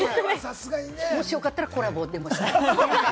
もしよかったら、コラボでもしたい。